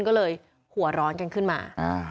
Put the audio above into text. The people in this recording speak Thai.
ก็เลยหัวร้อนกันขึ้นมา